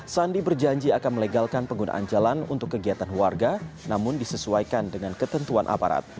sandi berjanji akan melegalkan penggunaan jalan untuk kegiatan warga namun disesuaikan dengan ketentuan aparat